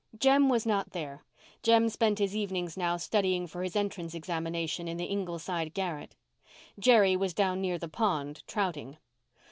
Jem was not there. Jem spent his evenings now studying for his entrance examination in the Ingleside garret. Jerry was down near the pond, trouting.